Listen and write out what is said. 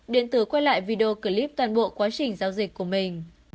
điện tử quay lại video clip toàn bộ quá trình giao dịch của mình